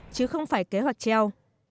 chứ không phải kế hoạch treo